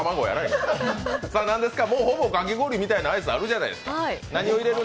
もうほぼかき氷みたいなアイスあるじゃないですか。